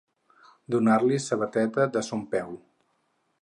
Donar-li sabateta de son peu.